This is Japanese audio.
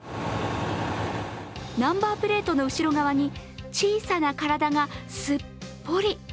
ナンバープレートの後ろ側に小さな体がすっぽり。